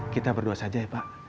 kita berdua saja ya pak